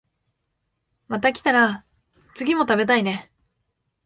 また来たら次も食べたいね